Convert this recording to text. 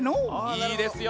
いいですよ。